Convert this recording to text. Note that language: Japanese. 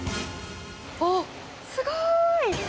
あっ、すごーい。